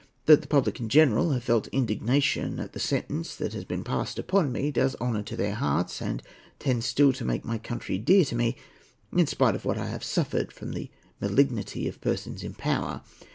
That the public in general have felt indignation at the sentence that has been passed upon me does honour to their hearts, and tends still to make my country dear to me, in spite of what I have suffered from the malignity of persons in power.